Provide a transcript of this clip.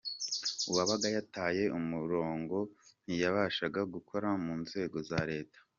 Uwabaga yataye umurongo ntiyabashaga gukora mu nzego za Leta.